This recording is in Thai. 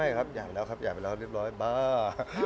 ใช่ครับอยากแล้วครับอยากไปแล้วเรียบร้อยบ้า